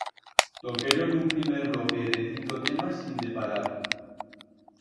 Toqueron un primer bloque de cinco temas, sinde parar.